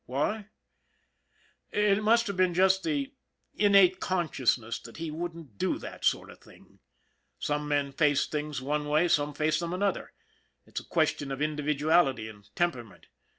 Why ? It must have been just the innate consciousness that he wouldn't do that sort of thing. Some men face things one way, some face them another. It's a question of individuality and temperament.